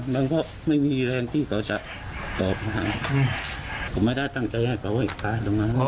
มันก็ไม่มีแรงที่เขาจะออกมาผมไม่ได้ตั้งใจให้เขาตายตรงนั้น